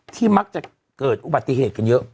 มักจะเกิดอุบัติเหตุกันเยอะ